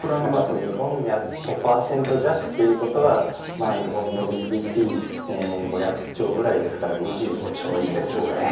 日本だと５％弱というのが日本のＧＤＰが５００兆ぐらいですから２５兆円ですよね。